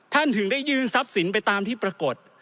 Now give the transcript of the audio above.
ถึงได้ยื่นทรัพย์สินไปตามที่ปรากฏ